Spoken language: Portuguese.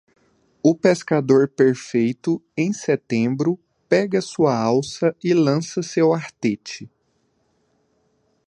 O pescador perfeito, em setembro, pega sua alça e lança seu artete.